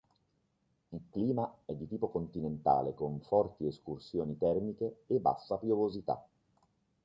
Il clima è di tipo continentale con forti escursioni termiche e bassa piovosità.